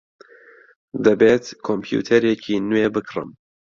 دەبێت کۆمپیوتەرێکی نوێ بکڕم.